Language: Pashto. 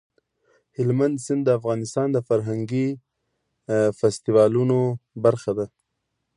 هلمند سیند د افغانستان د فرهنګي فستیوالونو برخه ده.